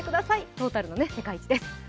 トータルの世界一です。